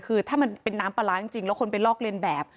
คือถ้ามันเป็นน้ำปลาร้าจริงแล้วคนไปลอกเลียนแบบ